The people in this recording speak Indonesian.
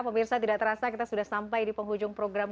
pemirsa tidak terasa kita sudah sampai di penghujung program